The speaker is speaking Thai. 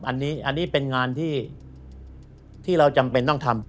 อันนี้เป็นงานที่เราจำเป็นต้องทำ